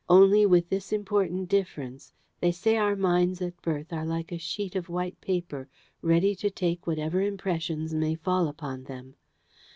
Only with this important difference. They say our minds at birth are like a sheet of white paper, ready to take whatever impressions may fall upon them.